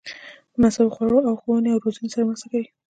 مناسبو خوړو او ښوونې او روزنې سره مرسته کوي.